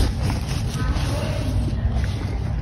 I'm walking here!